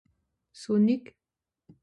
Sonnig